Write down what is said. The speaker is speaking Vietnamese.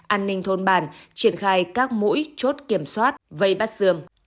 an ninh thôn bàn triển khai các mũi chốt kiểm soát vây bắt dường